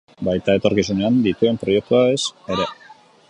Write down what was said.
Baita etorkizunean dituen proiektuez ere.